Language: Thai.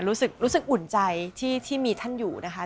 รู้สึกอุ่นใจที่มีท่านอยู่นะคะ